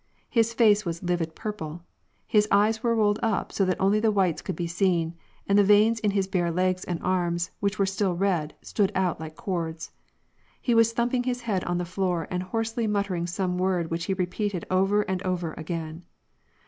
His face was a livid purple. His eyes were rolled up so that only the whites could be seen, and the veins in his bare legs and arms, which were still red, stood out like cords. He was thumping his head on the floor and hoarsely muttering some word which he repeated over and over again.